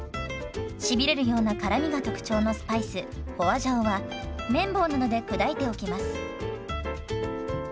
しびれるような辛みが特徴のスパイス花椒は麺棒などで砕いておきます。